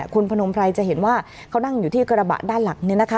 คุณพนมไพรจะเห็นว่าเขานั่งอยู่ที่กระบะด้านหลังเนี่ยนะคะ